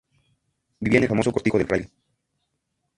Vivía en el famoso Cortijo del Fraile.